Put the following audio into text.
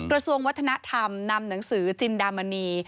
กระทรวงวัฒนธรรมนำหนังสือจินดามณี